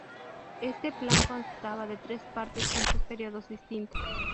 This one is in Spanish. Este plan constaba de tres partes con tres períodos distinto.